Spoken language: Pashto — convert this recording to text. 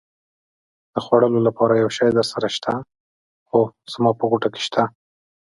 د خوړلو لپاره یو شی درسره شته؟ هو، زما په غوټه کې شته.